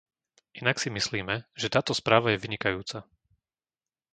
Inak si myslíme, že táto správa je vynikajúca.